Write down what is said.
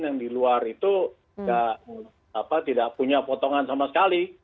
yang di luar itu tidak punya potongan sama sekali